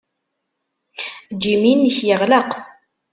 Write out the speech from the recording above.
Ejj imi-nnek yeɣleq.